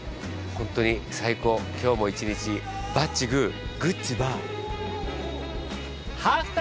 ホントに最高今日も１日バッチグーグッチバー。